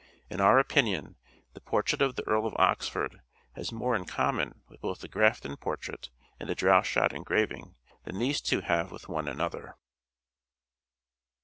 In our opinion the portrait of the Earl of Oxford has more in common with both the Grafton portrait and the Droeshout engraving than these two have with one another.